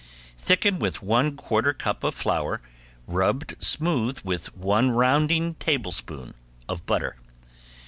Thicken with one quarter cup of flour rubbed smooth with one rounding tablespoonful of butter.